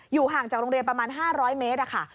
ห่างจากโรงเรียนประมาณ๕๐๐เมตรค่ะ